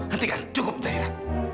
hentikan cukup zaira